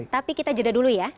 tapi kita jeda dulu ya